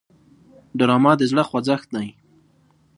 ډرامه د زړه خوځښت دی